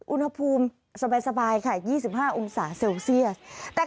อุณหภูมิสบายค่ะ๒๕องศาเซลเซียส